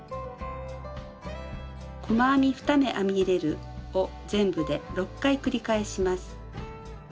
細編み２目編み入れるを全部で６回繰り返します。